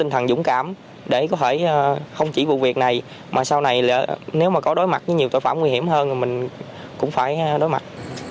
tình thần dũng cảm để có thể không chỉ vụ việc này mà sau này nếu mà có đối mặt với nhiều tội phạm nguy hiểm hơn thì mình cũng phải đối mặt